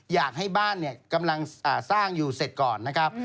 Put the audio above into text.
อยากให้บ้านกำลังสร้างอยู่เสร็จก่อนนะครับ